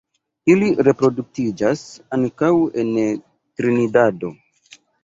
Ili reproduktiĝas ankaŭ en Trinidado.